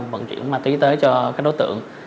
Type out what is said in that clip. vận chuyển ma túy tới cho các đối tượng